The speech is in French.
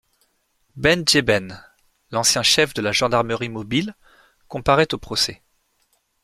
Ben Geiben, l'ancien chef de la gendarmerie mobile comparait au procès.